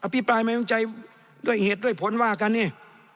พี่ปรายไม่วางใจด้วยเหตุด้วยผลว่ากันเนี่ย